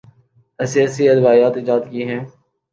ایسی ایسی ادویات ایجاد کی ہیں۔